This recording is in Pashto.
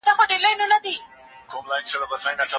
په لوی لاس می ځان کنډول ژوند می تالا کړ